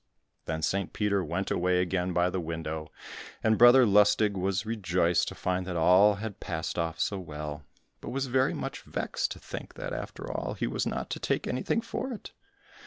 Then St. Peter went away again by the window, and Brother Lustig was rejoiced to find that all had passed off so well, but was very much vexed to think that after all he was not to take anything for it.